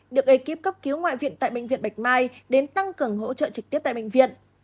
được ekip cấp cứu ngoại viện tại bệnh viện bạch mai đến tăng cường hỗ trợ trực tiếp tại bệnh viện